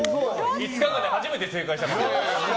５日間で初めて正解した。